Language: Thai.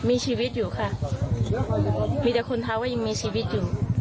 มีชีวิตอยู่ค่ะมีแต่คนทักว่ายังมีชีวิตอยู่